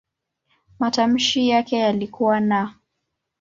Matamshi yake yalikuwa "n".